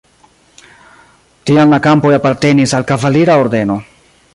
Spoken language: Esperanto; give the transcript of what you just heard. Tiam la kampoj apartenis al kavalira ordeno.